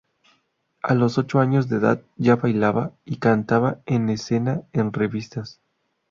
A los ocho años de edad ya bailaba y cantaba en escena en revistas.